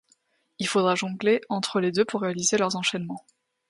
Il faudra jongler entre les deux pour réaliser des enchaînements.